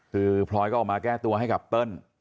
คือพลอยก็ออกมาแก้ตัวให้กับเติ้ล